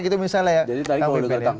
gitu misalnya ya jadi tadi kalau datang